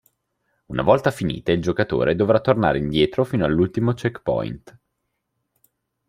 Una volta finite, il giocatore dovrà tornare indietro fino all'ultimo checkpoint.